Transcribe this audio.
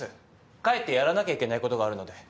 帰ってやらなきゃいけないことがあるので。